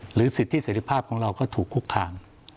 หรือสิทธิ์สัยธิภาพของเราก็ถูกคุกคาม